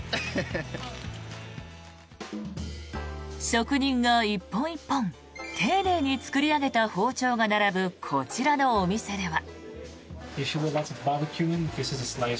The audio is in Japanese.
職人が１本１本丁寧に作り上げた包丁が並ぶこちらのお店では。